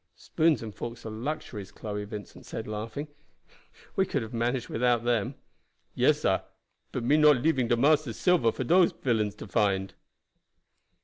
"Spoons and forks are luxuries, Chloe," Vincent said laughing. "We could have managed without them." "Yes, sah; but me not going to leave massa's silver for dose villains to find."